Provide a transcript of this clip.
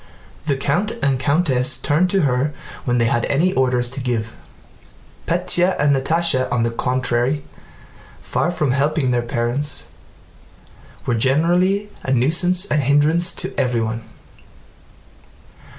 The count and countess turned to her when they had any orders to give. Pétya and Natásha on the contrary, far from helping their parents, were generally a nuisance and a hindrance to everyone.